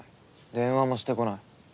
電話もしてこない？